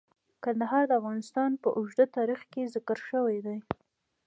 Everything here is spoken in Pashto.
کندهار د افغانستان په اوږده تاریخ کې ذکر شوی دی.